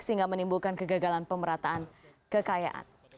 sehingga menimbulkan kegagalan pemerataan kekayaan